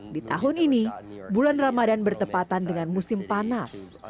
di tahun ini bulan ramadan bertepatan dengan musim panas